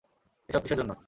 এসব কিসের জন্য?